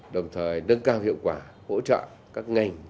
đồng thời nâng cao hiệu quả hỗ trợ các ngành